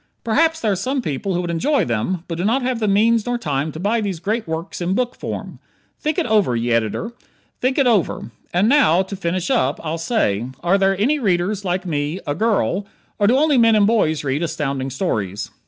Perhaps there are some people who would enjoy them, but do not have the means nor time to buy these great works in book form. Think it over, ye Ed., think it over. And now, to finish up, I'll say: are there any readers like me a girl or do only men and boys read Astounding Stories?